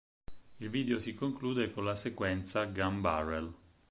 Il video si conclude con la sequenza "Gun Barrel".